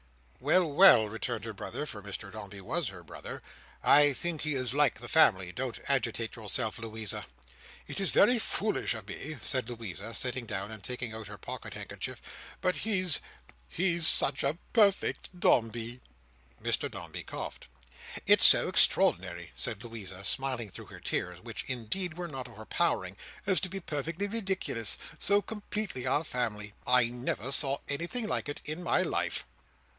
"Well, well!" returned her brother—for Mr Dombey was her brother—"I think he is like the family. Don't agitate yourself, Louisa." "It's very foolish of me," said Louisa, sitting down, and taking out her pocket handkerchief, "but he's—he's such a perfect Dombey!" Mr Dombey coughed. "It's so extraordinary," said Louisa; smiling through her tears, which indeed were not overpowering, "as to be perfectly ridiculous. So completely our family. I never saw anything like it in my life!"